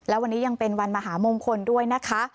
และวันนี้ยังเป็นวันมหามงคลด้วยนะคะ